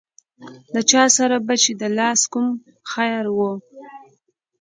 له چا سره به چې د لاس کوم خیر و.